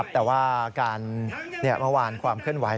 แต่ว่าเมื่อวานความเคลื่อนไหว